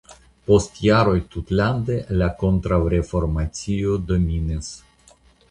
Post jaroj tutlande la kontraŭreformacio dominis.